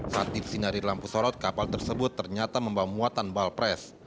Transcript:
saat disinari lampu sorot kapal tersebut ternyata membawa muatan balpres